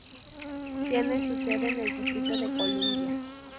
Tiene su sede en el Distrito de Columbia.